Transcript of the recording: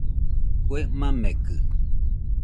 Kue makekɨ